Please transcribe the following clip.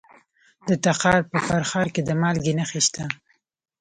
د تخار په فرخار کې د مالګې نښې شته.